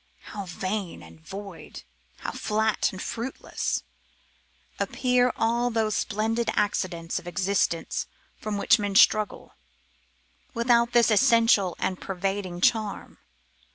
How vain and void, how flat and fruitless, appear all those splendid accidents of existence for which men struggle, without this essential and pervading charm!